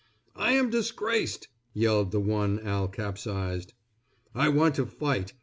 "I am disgraced," yelled the one Al capsized. "I want to fight.